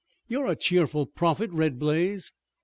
"You're a cheerful prophet, Red Blaze."